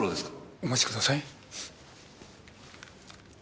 お待ちください。